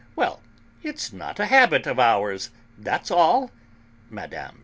well, it's not a habit of ours, that's all," Mme.